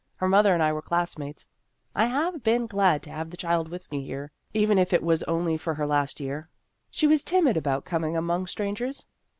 Her mother and I were classmates ; I have been glad to have the child with me here, even if it was only for her last year. She was timid about coming among strangers.